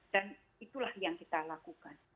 dan itulah yang kita lakukan